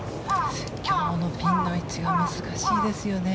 今日のピンの位置は難しいですよね。